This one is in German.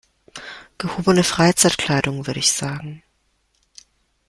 Gehobene Freizeitkleidung würde ich sagen.